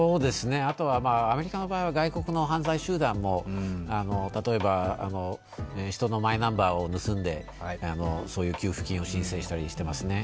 あとはアメリカの場合は外国の犯罪集団も例えば人のマイナンバーを盗んでそういう給付金を申請したりしてますね。